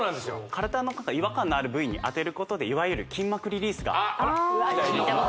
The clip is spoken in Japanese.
体の違和感のある部位に当てることでいわゆる筋膜リリースが期待できます